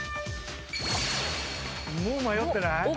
もう迷ってない？